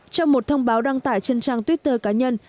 trong một thông báo đăng tải trên trang twitter cá nhân